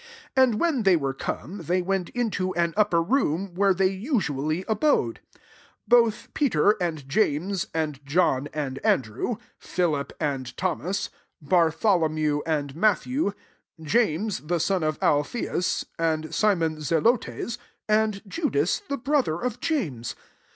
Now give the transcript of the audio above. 13 And when they were come, they went into an upper room, where they usually abode ; both Peter and James and John and Andrew, Philip and Thomas, Bartholomew and Matthew, James the son of Alpheus, and Simon Zelotes, and Judas the brother of James.